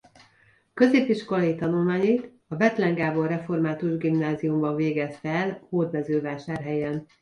Középiskolai tanulmányait a Bethlen Gábor Református Gimnáziumban végezte el Hódmezővásárhelyen.